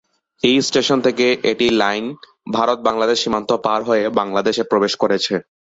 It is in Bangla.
এই স্টেশন থেকে এটি লাইন ভারত-বাংলাদেশ সীমান্ত পার হয়ে বাংলাদেশ-এ প্রবেশ করেছে।